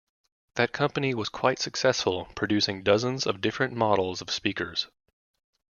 That company was quite successful, producing dozens of different models of speakers.